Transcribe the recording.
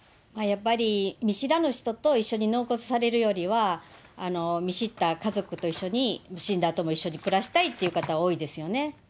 やっぱり見知らぬ人と一緒に納骨されるよりは、見知った家族と一緒に、死んだあとも一緒に暮らしたいという人多いですよね。